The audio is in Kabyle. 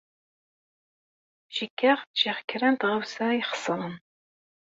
Cikkeɣ ččiɣ kra n tɣawsa ixeṣren.